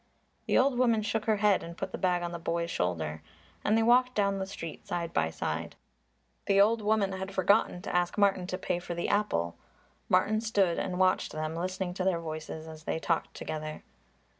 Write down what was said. The old woman shook her head and put the bag on the boy's shoulder. And they walked down the street side by side. The old woman had forgotten to ask Martin to pay for the apple. Martin stood and watched them, listening to their voices as they talked together.